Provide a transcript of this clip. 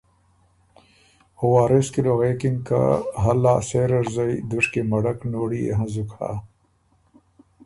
او وارث کی له غوېکِن که هلا سېره ر زئ دُشکی مړک نوړی يې هنزُک هۀ۔